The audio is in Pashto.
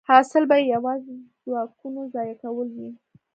حاصل به یې یوازې د ځواکونو ضایع کول وي